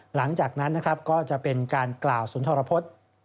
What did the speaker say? หลังจากนั้นนะครับก็จะเป็นการกล่าวสุนทรพฤษ